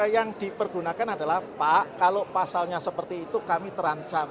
yang dipergunakan adalah pak kalau pasalnya seperti itu kami terancam